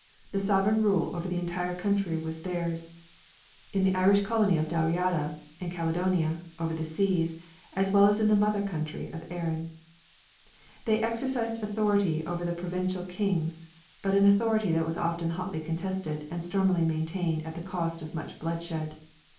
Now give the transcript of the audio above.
The sovereign rule over the entire country was theirs, in the Irish colony of Dalriada in Caledonia over the seas, as well as in the mother country of Erin. They exercised authority over the provincial kings, but an authority that was often hotly contested, and stormily maintained at the cost of much bloodshed.